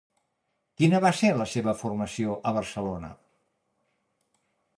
Quina va ser la seva formació a Barcelona?